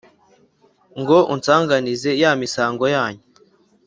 Ngo unsanganize ya misango yanyu